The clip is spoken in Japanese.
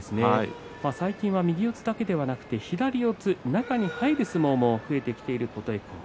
最近は右四つだけではなく左四つ、中に入る相撲も増えてきました。